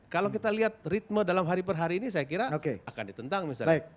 kalau kita lihat ritme dalam hari per hari ini saya kira akan ditentang misalnya